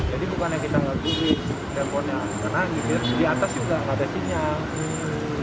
jadi bukan yang kita ngelakuin teleponnya karena di atas juga gak ada sinyal